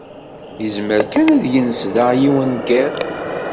Yezmer kan ad yens da yiwen yiḍ.